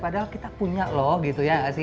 padahal kita punya loh gitu ya